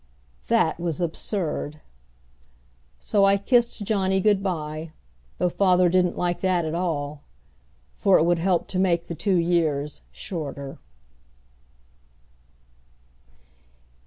That was absurd! So I kissed Johnny good by though father didn't like that at all for it would help to make the two years shorter.